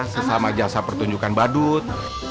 sesama jasa pertunjukan badut